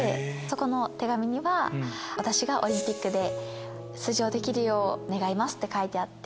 この手紙には私がオリンピック出場できるよう願いますって書いてあって。